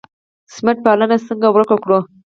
سمت پالنه څنګه ورک کړو؟